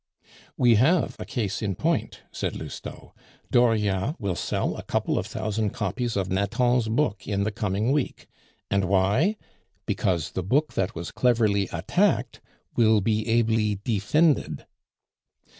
"We have a case in point," said Lousteau. "Dauriat will sell a couple of thousand copies of Nathan's book in the coming week. And why? Because the book that was cleverly attacked will be ably defended."